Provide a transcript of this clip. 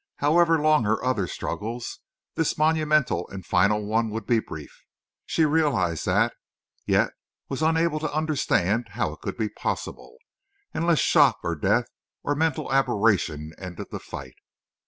However long her other struggles, this monumental and final one would be brief. She realized that, yet was unable to understand how it could be possible, unless shock or death or mental aberration ended the fight.